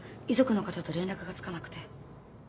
遺族の方と連絡がつかなくて。